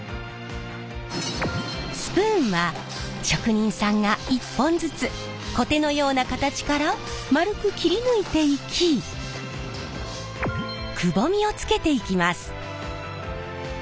スプーンは職人さんが一本ずつコテのような形から丸く切り抜いていきくぼみをつけていきます。